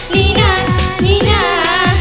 นีน่านีน่า